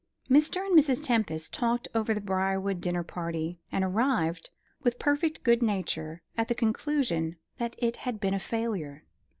Mr. and Mrs. Tempest talked over the Briarwood dinner party, and arrived with perfect good nature at the conclusion that it had been a failure.